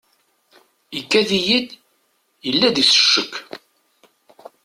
Ikad-iyi-d yella deg-s ccek.